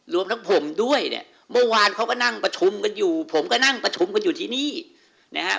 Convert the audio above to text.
รวมทั้งผมด้วยเนี่ยเมื่อวานเขาก็นั่งประชุมกันอยู่ผมก็นั่งประชุมกันอยู่ที่นี่นะฮะ